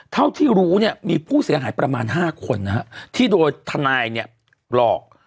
เท่าที่รู้เนี่ยมีผู้เสียหายประมาณ๕คนนะฮะที่โดยทนายเนี่ยหลอก